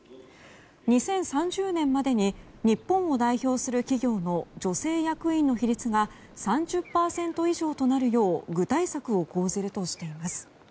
２０３０年までに日本を代表する企業の女性役員の比率が３０％以上となるよう具体策を講じるとしています。